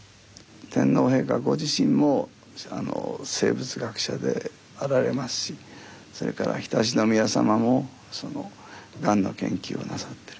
天皇陛下ご自身も生物学者であられますしそれから常陸宮さまもガンの研究をなさってる。